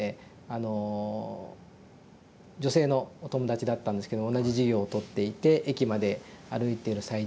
あの女性のお友達だったんですけど同じ授業をとっていて駅まで歩いている最中にですね